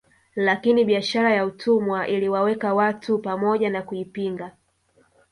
Lakini biashara ya utumwa iliwaweka watu pamoja na kuipinga